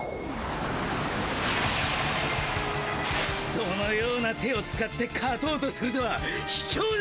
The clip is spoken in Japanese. そのような手を使って勝とうとするとはひきょうな！